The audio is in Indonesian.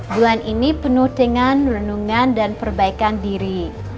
bulan ini penuh dengan renungan dan perbaikan diri